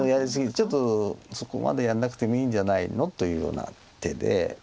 ちょっと「そこまでやらなくてもいいんじゃないの？」というような手で。